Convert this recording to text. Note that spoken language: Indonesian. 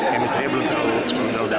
jadi kemisrinya belum terlalu dapat